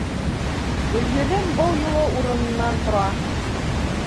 Гөлйөҙөм был юлы урынынан тора.